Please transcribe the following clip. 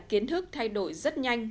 kiến thức thay đổi rất nhanh